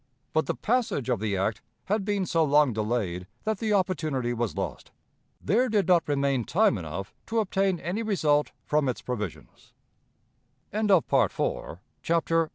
But the passage of the act had been so long delayed that the opportunity was lost. There did not remain time enough to obtain any result from its provisions. [Footnote 194: Article I, section 10, paragraph 3.